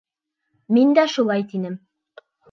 Мин дә шулай тинем.